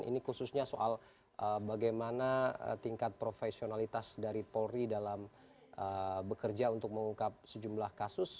ini khususnya soal bagaimana tingkat profesionalitas dari polri dalam bekerja untuk mengungkap sejumlah kasus